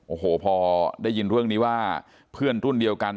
โอ้โหพอได้ยินเรื่องนี้ว่าเพื่อนรุ่นเดียวกัน